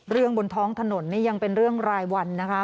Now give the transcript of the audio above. บนท้องถนนนี่ยังเป็นเรื่องรายวันนะคะ